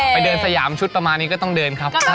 มีเดินสยามชุดประมาณนี้ต้องเดินครับก็ต้องเดิน